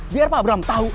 biar pak abram tau